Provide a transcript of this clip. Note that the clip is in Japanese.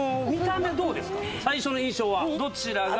最初の印象はどちらが？